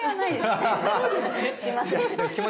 すいません。